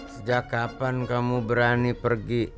sejak kapan kamu berani pergi